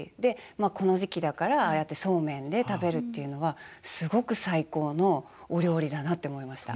この時期だからああやってそうめんで食べるっていうのはすごく最高のお料理だなって思いました。